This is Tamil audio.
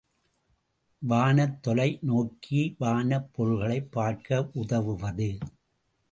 வானத் தொலைநோக்கி வானப் பொருள்களைப் பார்க்க உதவுவது.